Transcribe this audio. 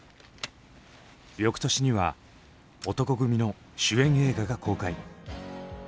翌年には男闘呼組の主演映画が公開。